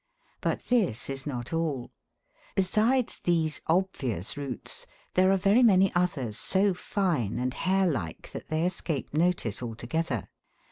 But this is not all. Besides these obvious roots, there are very many others so fine and hair like that they escape notice altogether.